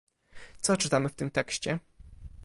Co czytamy w tym tekście?